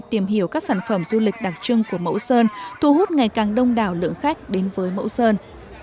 tìm hiểu các sản phẩm du lịch đặc trưng của mẫu sơn thu hút ngày càng đông đảo lượng khách đến với mẫu sơn